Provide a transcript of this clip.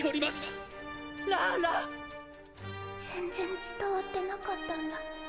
全然伝わってなかったんだ。